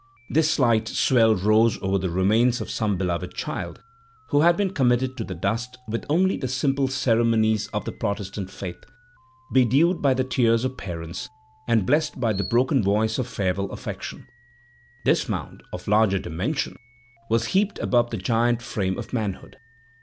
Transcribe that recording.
This slight swell rose over the remains of some beloved child, who had been committed to the dust with only the simple ceremonies of the Protestant faith, bedewed by the tears of parents, and blessed by the broken voice of farewell affection. This mound, of larger dimension, was heaped above the giant frame of manhood.